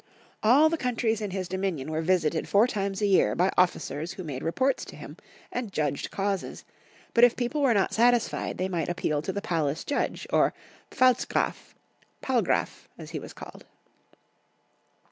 All the countries in his dominion were visited four times a year by officers who made reports to him, and Karl The Cheat. 69 judged causes; but if people were not satisfied, they might appeal to the Palace judge, or Pfalzgraf — Palgraf, as he was called.